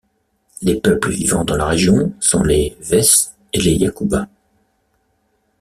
Les peuples vivant dans la région sont les Wés et les Yacouba.